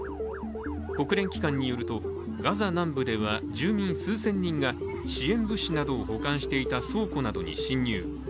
国連機関によると、ガザ南部では住民数千人が支援物資などを保管していた倉庫などに侵入。